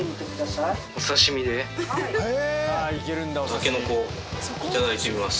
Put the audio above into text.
タケノコいただいてみます。